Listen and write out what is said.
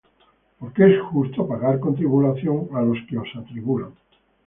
Porque es justo para con Dios pagar con tribulación á los que os atribulan;